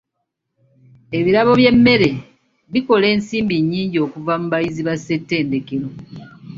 Ebirabo by'emmere bikola ensimbi nnyingi okuva mu bayizi ba ssettendekero..